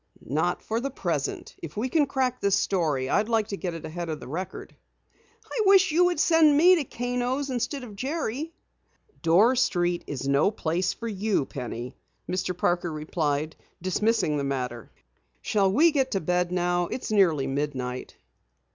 "Not for the present. If we can crack this story I'd like to get it ahead of the Record." "I wish you would send me to Kano's instead of Jerry." "Dorr Street is no place for you, Penny," Mr. Parker replied, dismissing the matter. "Shall we get to bed now? It's nearly midnight."